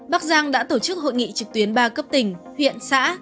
bắc giang đã tổ chức hội nghị trực tuyến ba cấp tỉnh huyện xã